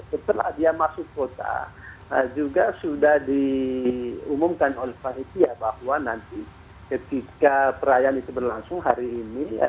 setelah dia masuk kota juga sudah diumumkan oleh panitia bahwa nanti ketika perayaan itu berlangsung hari ini